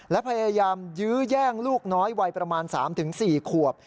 และพยายามยื้อแย่งลูกน้อยวัยประมาณ๓๔ขวบ